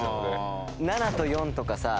７と４とかさ